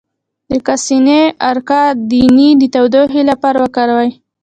د کاسني عرق د ینې د تودوخې لپاره وکاروئ